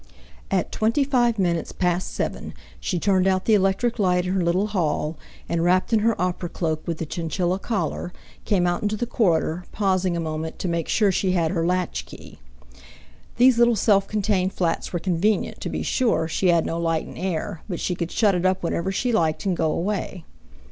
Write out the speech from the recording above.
At twenty five minutes past seven she turned out the electric light in her little hall, and wrapped in her opera cloak with the chinchilla collar, came out into the corridor, pausing a moment to make sure she had her latch key. These little self contained flats were convenient; to be sure, she had no light and no air, but she could shut it up whenever she liked and go away.